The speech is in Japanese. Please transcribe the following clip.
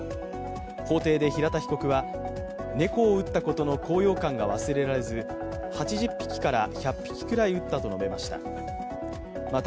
法廷で平田被告は、猫を撃ったことの高揚感が忘れられず、８０匹から１００匹くらい撃ったと述べました。